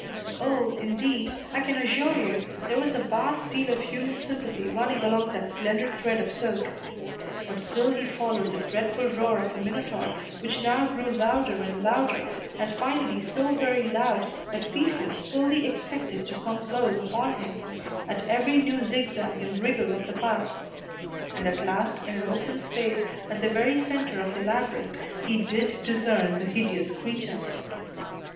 O, indeed, I can assure you, there was a vast deal of human sympathy running along that slender thread of silk. But still he followed the dreadful roar of the Minotaur, which now grew louder and louder, and finally so very loud that Theseus fully expected to come close upon him, at every new zizgag and wriggle of the path. And at last, in an open space, at the very center of the labyrinth, he did discern the hideous creature.